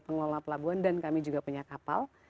pengelola pelabuhan dan kami juga punya kapal